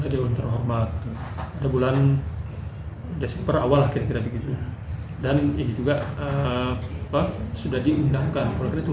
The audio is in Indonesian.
dan terhormat ada bulan desember awal akhir akhir begitu dan ini juga sudah diundangkan kalau itu